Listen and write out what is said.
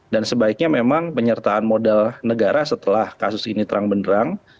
dan sebaiknya memang penyertaan modal negara setelah kasus ini terang benerang